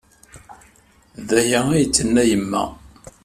D aya ay d-tenna yemma.